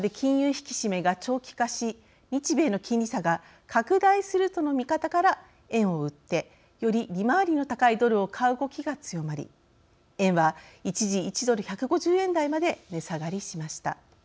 引き締めが長期化し日米の金利差が拡大するとの見方から円を売ってより利回りの高いドルを買う動きが強まり円は一時１ドル１５０円台まで値下がりしました。